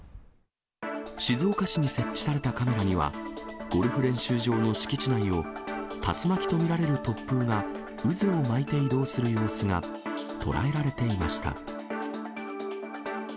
静岡市に設置されたカメラには、ゴルフ練習場の敷地内を、竜巻と見られる突風が渦を巻いて移動する様子が捉えられていました。